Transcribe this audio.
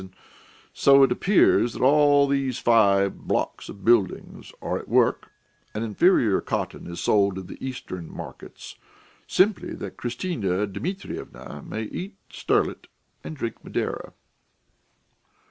And so it appears that all these five blocks of buildings are at work, and inferior cotton is sold in the Eastern markets, simply that Christina Dmitryevna may eat sterlet and drink Madeira."